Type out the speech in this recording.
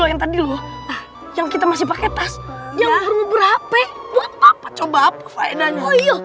yang tadi loh yang kita masih pakai tas yang berhubung hp buat apa coba apa fainanya oh iya